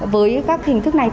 với các hình thức này